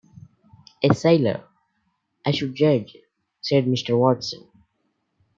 "A sailor, I should judge," said Mr. Watson.